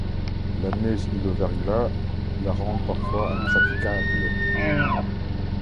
La neige et le verglas la rendent parfois impraticable.